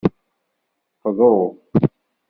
Qḍu.